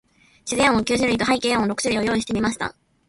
自然音九種類と、背景音六種類を用意してみました。